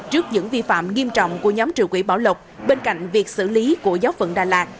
trước những vi phạm nghiêm trọng của nhóm trưởng quỹ bảo lộc bên cạnh việc xử lý của giáo phận đà lạt